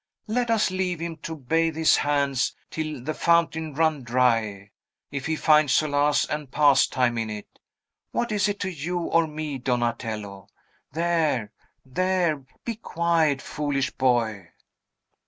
Let us leave him to bathe his hands till the fountain run dry, if he find solace and pastime in it. What is it to you or me, Donatello? There, there! Be quiet, foolish boy!"